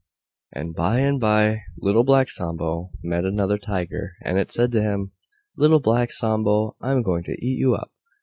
And by and by Little Black Sambo met another Tiger, and it said to him, "Little Black Sambo, I'm going to eat you up!"